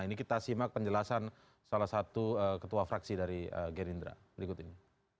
ini kita simak penjelasan salah satu ketua fraksi dari gerindra berikut ini